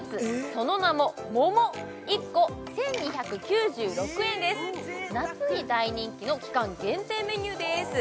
その名ももも１個１２９６円です夏に大人気の期間限定メニューです